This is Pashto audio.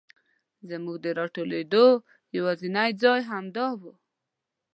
زمونږ د راټولېدو یواځینی ځای همدا و.